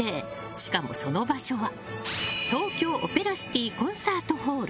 しかも、その場所は東京オペラシティコンサートホール。